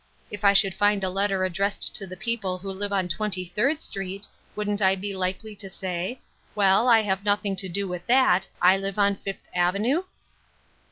If I should find a letter ad dressed to the people who live on Twenty third Street, wouldn't I be likely to say, 'Well, I have nothing to do with that ; I live on Fifth Avenue?'"